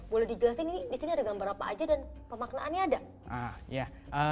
boleh dijelasin ini di sini ada gambar apa aja dan pemaknaannya ada